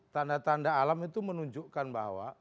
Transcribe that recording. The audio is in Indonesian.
tanda tanda alam itu menunjukkan bahwa